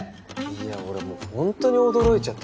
いや俺もう本当に驚いちゃって。